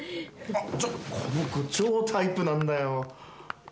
ちょっと、この子超タイプなんだよ！